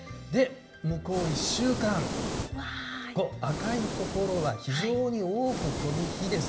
向こう１週間、赤い所は非常に多く飛ぶ日です。